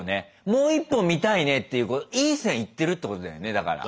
もう１本見たいねっていういい線行ってるってことだよねだから。